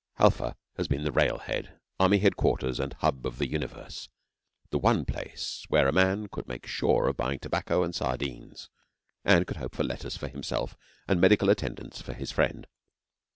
Halfa has been the rail head, Army Headquarters, and hub of the universe the one place where a man could make sure of buying tobacco and sardines, or could hope for letters for himself and medical attendance for his friend.